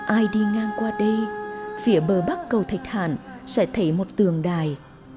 ai đi ngang qua đây phía bờ bắc cầu thạch hàn sẽ thấy một tường đài